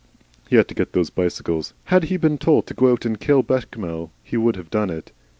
He had to get those bicycles. Had he been told to go out and kill Bechamel he would have done it.